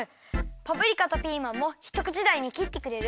パプリカとピーマンもひとくちだいにきってくれる？